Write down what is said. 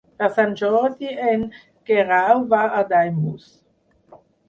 Per Sant Jordi en Guerau va a Daimús.